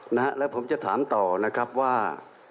นะฮะแล้วผมจะถามต่อนะครับว่า